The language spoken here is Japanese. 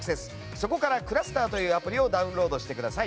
そこからｃｌｕｓｔｅｒというアプリをダウンロードしてください。